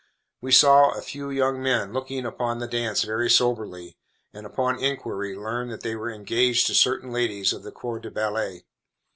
We saw a few young men looking upon the dance very soberly, and, upon inquiry, learned that they were engaged to certain ladies of the corps de ballet.